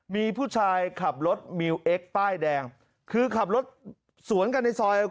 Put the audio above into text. มีผู้ชายขับรถมิวเอ็กซ์ป้ายแดงคือขับรถสวนกันในซอย